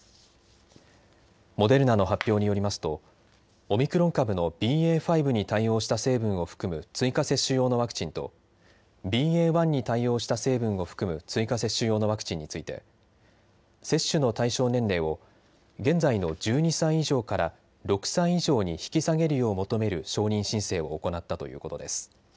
モデルナの発表によりますとオミクロン株のＢＡ．５に対応した成分を含む追加接種用のワクチンとＢＡ．１に対応した成分を含む追加接種用のワクチンについて接種の対象年齢を現在の１２歳以上から６歳以上に引き下げるよう求める承認申請を行ったということです。